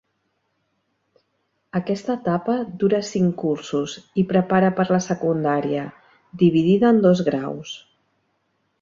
Aquesta etapa dura cinc cursos i prepara per a la secundària, dividida en dos graus.